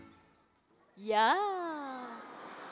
「やあ」